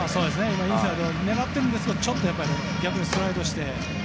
今、インサイドを狙っているんですがちょっと逆にスライドして。